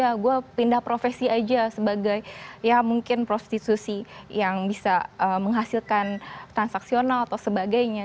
saya pindah profesi saja sebagai mungkin prostitusi yang bisa menghasilkan transaksional atau sebagainya